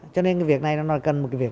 cho nên cái việc này nó cần một cái việc